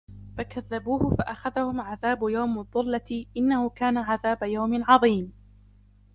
فَكَذَّبُوهُ فَأَخَذَهُمْ عَذَابُ يَوْمِ الظُّلَّةِ إِنَّهُ كَانَ عَذَابَ يَوْمٍ عَظِيمٍ